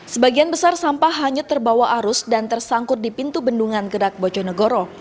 sebagian besar sampah hanyut terbawa arus dan tersangkut di pintu bendungan gerak bojonegoro